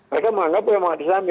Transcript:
mereka menganggap memang ada tsunami